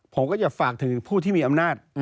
ผมก็จะฝากถึงผู้ที่มีอำนาจ